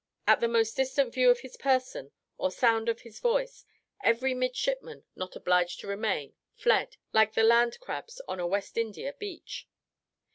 At the most distant view of his person or sound of his voice, every midshipman, not obliged to remain, fled, like the land crabs on a West India beach.